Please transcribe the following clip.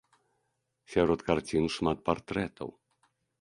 Сярод карцін шмат партрэтаў.